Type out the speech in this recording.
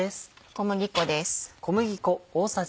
小麦粉です。